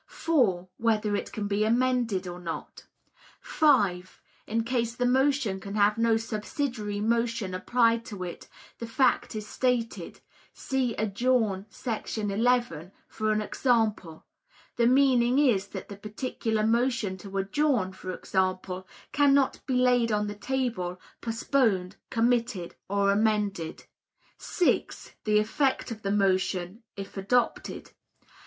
(4) Whether it can be amended or not. (5) In case the motion can have no subsidiary motion applied to it, the fact is stated [see Adjourn, § 11, for an example: the meaning is, that the particular motion to adjourn, for example, cannot be laid on the table, postponed, committed or amended]. (6) The effect of the motion if adopted.